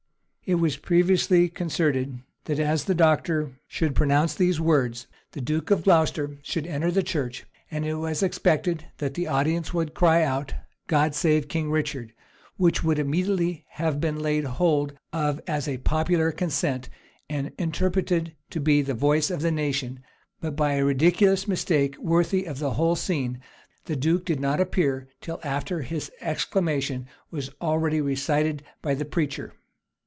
It was previously concerted, that as the doctor should pronounce these words, the duke of Glocester should enter the church; and it was expected that the audience would cry out, "God save King Richard;" which would immediately have been laid hold of as a popular consent, and interpreted to be the voice of the nation; but by a ridiculous mistake, worthy of the whole scene, the duke did not appear till after this exclamation was already recited by the preacher.